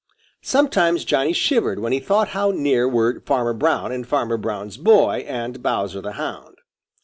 Sometimes Johnny shivered when he thought how near were Farmer Brown and Farmer Brown's boy and Bowser the Hound.